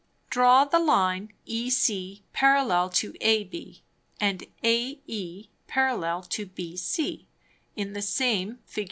_ Draw the Line EC parallel to AB, and AE parallel to BC in the same _Fig.